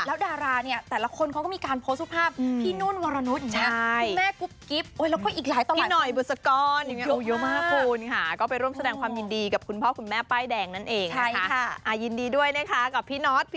แล้วดาราเนี่ยแต่ละคนเค้าก็มีการโพสต์ผู้ภาพ